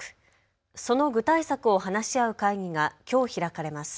その具体策を話し合う会議がきょう開かれます。